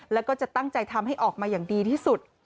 แล้วก็จะตั้งใจทำให้ออกมาอย่างดีที่สุด